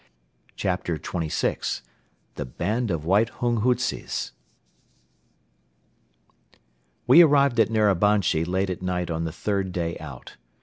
CHAPTER XXVI THE BAND OF WHITE HUNGHUTZES We arrived at Narabanchi late at night on the third day out.